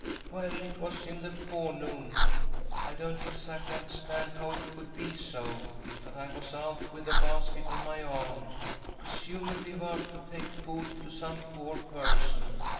"«" Well, it was in the forenoon. • I don't exactly understand how it could be so, but I was out with a basket on my arm, presumably about to take food to some poor person.